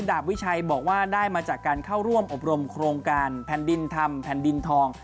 ดาบวิชัยบอกว่าได้มาจากการเข้าร่วมอบรมโครงการแผ่นดินธรรมแผ่นดินทอง